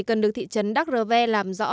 cần được thị trấn đắc rờ ve làm rõ